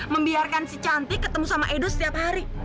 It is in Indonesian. membiarkan si cantik ketemu sama edo setiap hari